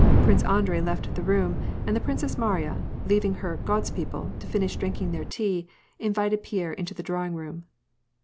Prince Andrei left the room, and the Princess Mariya, leaving her " God's people " to finish drinking their tea, in vited Pierre into the drawing room.